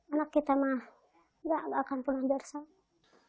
anak kita mah nggak akan pulang bersama